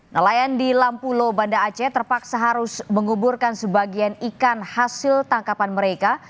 nelayan di lampulo banda aceh terpaksa harus menguburkan sebagian ikan hasil tangkapan mereka